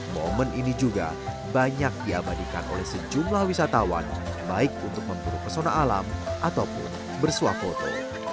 momen ini juga banyak diabadikan oleh sejumlah wisatawan baik untuk memburu pesona alam ataupun bersuah foto